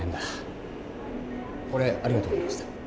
これありがとうございました。